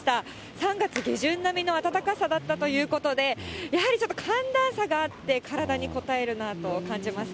３月下旬並みの暖かさだったということで、やはりちょっと寒暖差があって、体にこたえるなと感じます。